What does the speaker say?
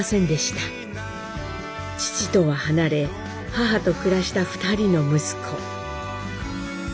父とは離れ母と暮らした２人の息子。